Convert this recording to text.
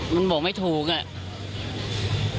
มีบอกไม่ถูก